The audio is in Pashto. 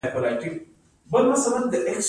دا د حکومت مسوولیت دی.